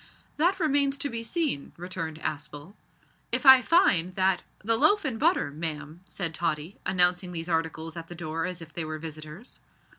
"That remains to be seen," returned Aspel. "If I find that " "The loaf and butter, ma'am," said Tottie, announcing these articles at the door as if they were visitors.